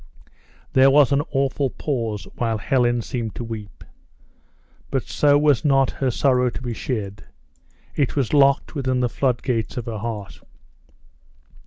There was an awful pause while Helen seemed to weep. But so was not her sorrow to be shed. It was locked within the flood gates of her heart.